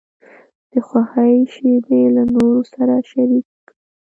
د خوښۍ شیبې له نورو سره شریکې کړه.